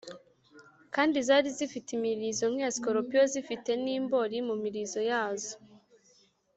Kandi zari zifite imirizo nk’iya sikorupiyo zifite n’imbōri mu mirizo yazo,